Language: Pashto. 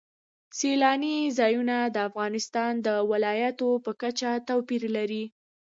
سیلانی ځایونه د افغانستان د ولایاتو په کچه توپیر لري.